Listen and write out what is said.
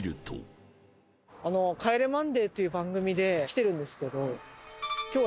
『帰れマンデー』という番組で来てるんですけど。